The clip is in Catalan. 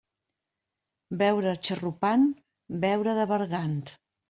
Beure xarrupant, beure de bergant.